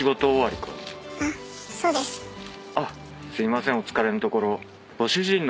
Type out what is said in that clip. すいませんお疲れのところ。